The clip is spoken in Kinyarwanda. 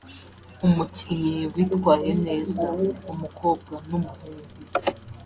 Umukinnyi witwaye neza(umukobwa n’umuhungu)